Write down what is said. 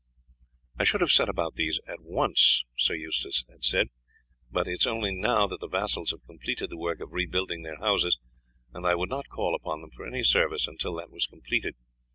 "I should have set about these at once," he had said, "but it is only now that the vassals have completed the work of rebuilding their houses, and I would not call upon them for any service until that was completed.